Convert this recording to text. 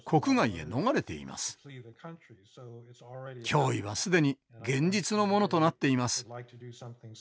脅威は既に現実のものとなっています。